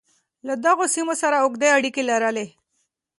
له دغو سیمو سره اوږدې اړیکې لرلې.